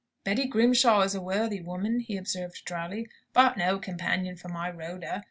"Betty Grimshaw is a worthy woman," he observed, drily; "but no companion for my Rhoda.